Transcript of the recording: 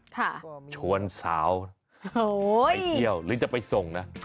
ชวนสาวไปเที่ยวหรือจะไปส่งนะ